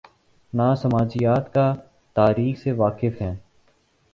نہ سماجیات کا" تاریخ سے واقف ہیں۔